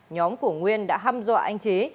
nhóm của nguyên đã ham dọa anh trí